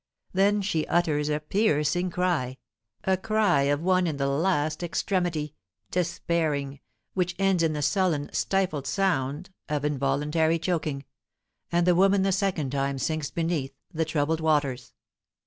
Then she utters a piercing cry, a cry of one in the last extremity, despairing which ends in the sullen, stifled sound of involuntary choking; and the woman the second time sinks beneath the troubled waters.